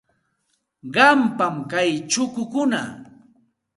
Qampam kay chukukuna.